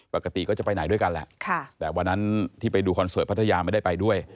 ปกติก็จะไปไหนด้วยกันแหละแต่วันนั้นที่ไปดูคอนเสิร์ตพัทยาไม่ได้ไปด้วย